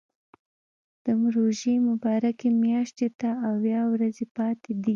د روژې مبارکې میاشتې ته اویا ورځې پاتې دي.